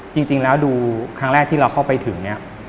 จริงแล้วดูครั้งแรกที่เราเข้าไปถึงเนี่ย